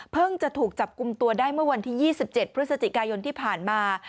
จะถูกจับกลุ่มตัวได้เมื่อวันที่๒๗พฤศจิกายนที่ผ่านมา